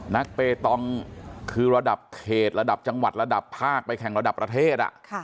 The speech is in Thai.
เปตองคือระดับเขตระดับจังหวัดระดับภาคไปแข่งระดับประเทศ